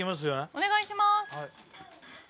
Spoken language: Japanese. お願いします。